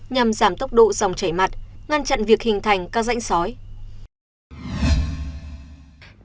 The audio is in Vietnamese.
nhằm giảm tốc độ dòng chảy mặt ngăn chặn việc hình thành các rãnh sói